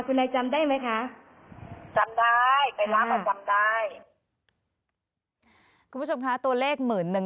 คุณนายจะพูดตรงได้ยังไงว่าคือว่ามือหนึ่ง